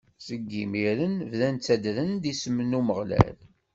Seg imiren, bdan ttaddren-d isem n Umeɣlal.